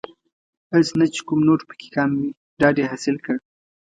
هسې نه چې کوم نوټ پکې کم وي ډاډ یې حاصل کړ.